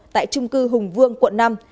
tại trung cư hùng vương quận năm